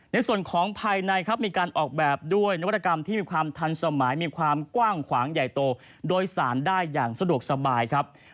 ในส่วนของภายในครับมีการออกแบบด้วยนวัตกรรมที่มีความทันสมัยมีความกว้างขวางใหญ่โตโดยสารได้อย่างสะดวกสบายครับ